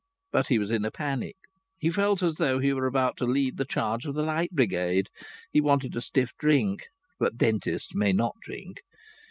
But he was in a panic. He felt as though he were about to lead the charge of the Light Brigade. He wanted a stiff drink. (But dentists may not drink.)